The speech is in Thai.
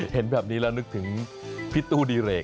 เห็นแบบนี้แล้วนึกถึงพี่ตู้ดีเรก